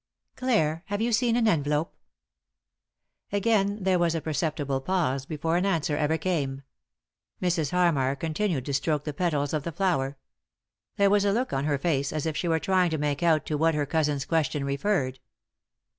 " Clare, have you seen an envelope ?" Again there was a perceptible pause before an answer ever came. Mrs. Harmar continued to stroke the petals of the flower. There was a look on her face as if she were trying to make out to what her cousin's question referred.